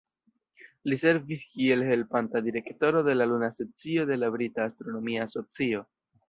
Ll servis kiel Helpanta Direktoro de la Luna Sekcio de la Brita Astronomia Asocio.